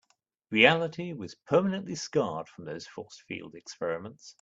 Reality was permanently scarred from those force field experiments.